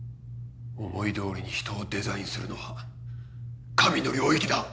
思い通りに人をデザインするのは神の領域だ。